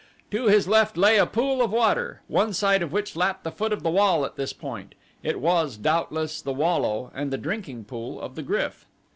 To his left lay a pool of water, one side of which lapped the foot of the wall at this point. It was, doubtless, the wallow and the drinking pool of the GRYF.